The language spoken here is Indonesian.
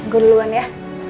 gue duluan ya